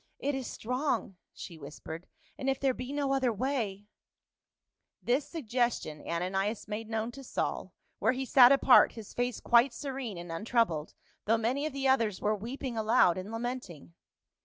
"It is strong," she whispered, " and if there be no other way —" This suggestion Ananias made known to Saul, where he sat apart, his face quite serene and untroubled, though many of the others were weeping aloud and lamenting.